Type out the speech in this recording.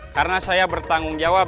karena saya bertanggung jawab